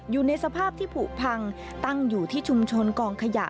อยู่ในสภาพที่ผูกพังตั้งอยู่ที่ชุมชนกองขยะ